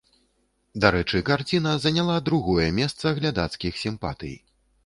Дарэчы, карціна заняла другое месца глядацкіх сімпатый.